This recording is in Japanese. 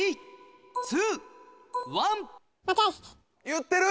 言ってる！